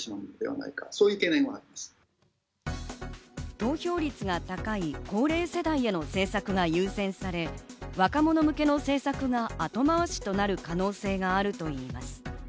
投票率が高い高齢世代への政策が優先され、若者向けの政策が後回しとなる可能性があるといいます。